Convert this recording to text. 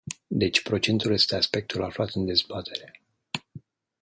Deci, procentul este aspectul aflat în dezbatere.